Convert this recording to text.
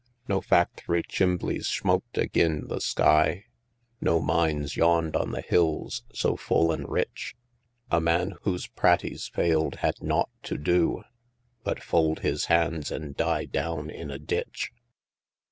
No facthory chimblys shmoked agin the sky, No mines yawn'd on the hills so full an' rich; A man whose praties failed had nought to do, But fold his hands an' die down in a ditch!